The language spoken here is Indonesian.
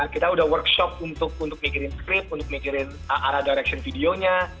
kita udah workshop untuk mikirin script untuk mikirin arah direction videonya